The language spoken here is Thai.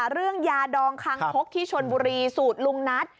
เรื่องยาดองคังคกที่ชนบุรีสูตรลุงนัท